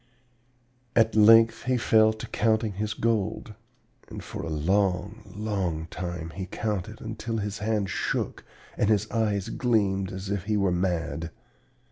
"At length he fell to counting his gold; and for a long, long time he counted, until his hands shook, and his eyes gleamed as if he were mad.